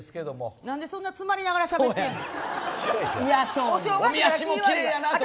なんでそんな詰まりながらしゃべんねん。